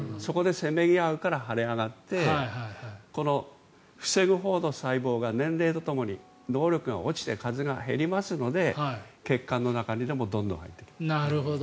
そこでせめぎ合うから腫れ上がって防ぐほうの細胞が年齢とともに能力が落ちて数が減りますので血管の中にどんどん入ってくるという。